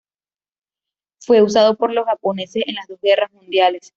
Fue usado por los japoneses en las dos guerras mundiales.